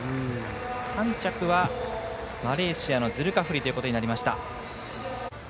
３着はマレーシアのズルカフリとなりました。